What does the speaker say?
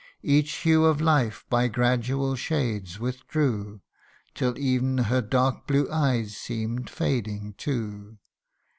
Each hue of life by gradual shades withdrew/ 6 ) Till ev'n her dark blue eyes seem'd fading too.